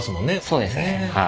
そうですねはい。